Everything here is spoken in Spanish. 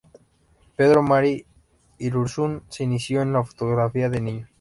Pedro Mari Irurzun se inició en la fotografía de niño.